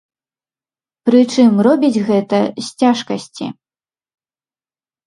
Прычым робіць гэта з цяжкасці.